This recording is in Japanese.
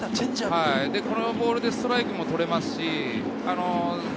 このボールでストライクも取れますし。